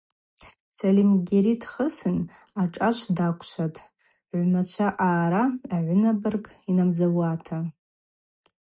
Сальымгьари дхысын ашӏачв даквшватӏ, гӏвмачва аъара агӏвынабырг йнамдзауата.